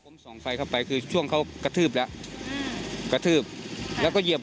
แล้วก็ใช้ไม้ไผ่เล็กเนี่ย